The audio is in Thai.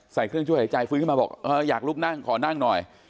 ใส่เครื่องช่วยหายใจฟื้นขึ้นมาบอกเอออยากลุกนั่งขอนั่งหน่อย